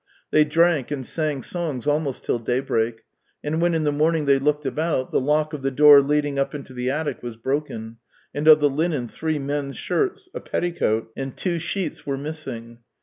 They drank and sang songs almost till daybreak, and when in the morning they looked about, the lock of the door leading up into the attic was broken, and of the linen three men's shirts, a petticoat, and two sheets were missing.